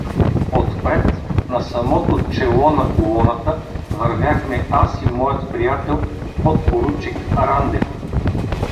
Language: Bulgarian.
Отпред, на самото чело на колоната, вървяхме аз и моят приятел, подпоручик Рандев.